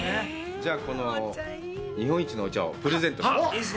じゃあこの日本一のお茶をプレゼントしましょう。